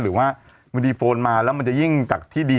หรือว่ามันดีโฟนมาแล้วมันจะยิ่งจากที่ดี